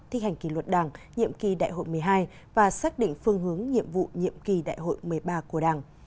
thi hành kỷ luật đảng nhiệm kỳ đại hội một mươi hai và xác định phương hướng nhiệm vụ nhiệm kỳ đại hội một mươi ba của đảng